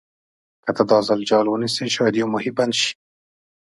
که ته دا ځل جال ونیسې شاید یو ماهي بند شي.